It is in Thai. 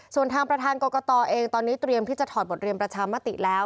ส่วนทางประธานกรกตเองตอนนี้เตรียมที่จะถอดบทเรียนประชามติแล้ว